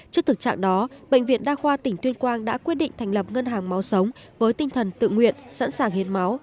trước thực trạng đó bệnh viện đa khoa tỉnh tuyên quang đã quyết định thành lập ngân hàng máu sống với tinh thần tự nguyện sẵn sàng hiến máu